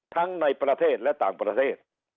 ทั้งในประเทศและต่างกัน